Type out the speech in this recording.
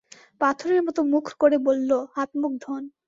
পাথরের মতো মুখ করে বলল, হাত-মুখ ধোন।